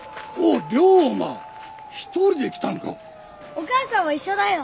お母さんも一緒だよ。